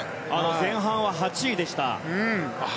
前半は８位でした。